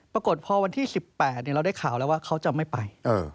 ปรากฏพอวันที่๑๘เราได้ข่าวแล้วว่าเขาจะไม่ไป